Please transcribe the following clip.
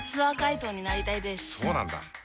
そうなんだ。